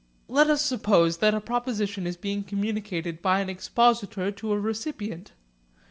Let us suppose that a proposition is being communicated by an expositor to a recipient.